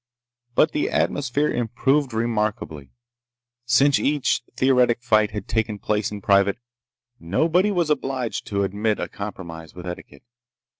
But the atmosphere improved remarkably. Since each theoretic fight had taken place in private, nobody was obliged to admit a compromise with etiquette.